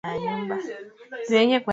wakiwa mara nyingi wanalaumiana kwamba